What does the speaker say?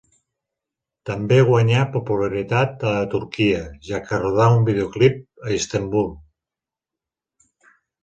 També guanyà popularitat a Turquia, ja que rodà un videoclip a Istanbul.